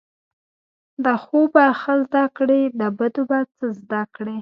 د ښو به ښه زده کړی، د بدو به څه زده کړی